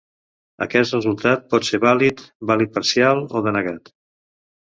Aquest resultat pot ser vàlid, vàlid parcial o denegat.